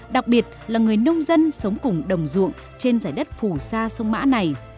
đặc biệt là người nông dân sống cùng đồng ruộng trên giải đất phủ xa sông mã này